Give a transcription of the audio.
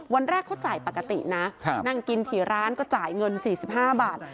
วันแรกเขาจ่ายปกตินะนั่งกินที่ร้านก็จ่ายเงิน๔๕บาท